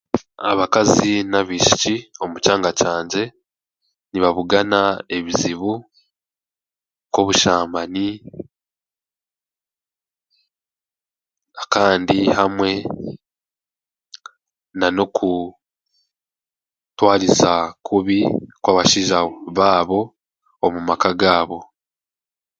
Abakazi n'abaishiki omu kyanga kyangye nibagugana ebizibu nk'obushambani kandi hamwe nanokutwariza kubi kw'abashaija baabo omu maka gaabo.